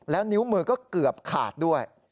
แล้วนิ้วมือก็เกือบขาดด้วย